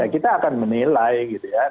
kita akan menilai gitu ya